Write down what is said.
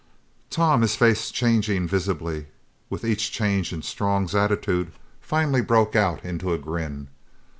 Tom, his face changing visibly with each change in Strong's attitude, finally broke out into a grin.